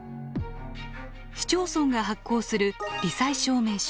市町村が発行する「り災証明書」。